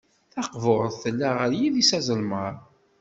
Taqburt tella ɣer yidis azelmaḍ.